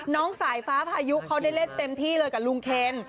น้องสายฟ้าพายุเขาได้เล่นเต็มที่เลยกับลุงเคน